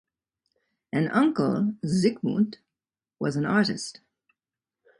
An uncle Zygmunt was an artist.